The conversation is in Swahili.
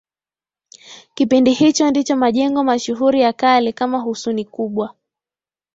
Kipindi hicho ndicho majengo mashuhuri ya kale kama Husuni Kubwa